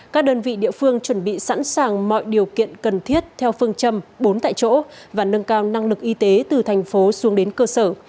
các đơn vị địa phương chuẩn bị sẵn sàng mọi điều kiện cần thiết theo phương châm bốn tại chỗ và nâng cao năng lực y tế từ thành phố xuống đến cơ sở